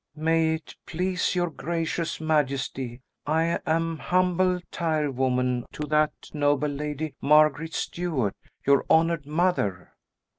"May it please your gracious majesty, I am humble tirewoman to that noble lady, Margaret Stuart, your honoured mother."